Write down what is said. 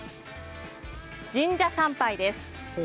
神社参拝です。